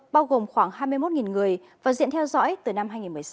bao gồm khoảng hai mươi một người và diện theo dõi từ năm hai nghìn một mươi sáu